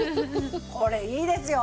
これいいですよ。